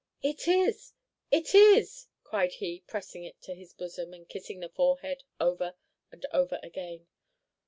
"It' is it is!" cried he, pressing it to his bosom, and kissing the forehead over and over again.